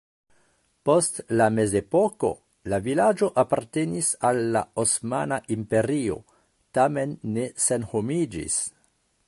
Post la mezepoko la vilaĝo apartenis al la Osmana Imperio, tamen ne senhomiĝis.